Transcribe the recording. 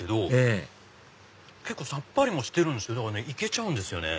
ええさっぱりもしてるんですだから行けちゃうんですよね。